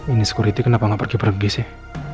ini security kenapa nggak pergi pergi sih